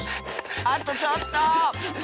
あとちょっと！